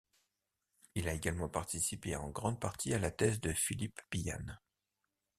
Il a également participé en grande partie à la thèse de Philippe Biane.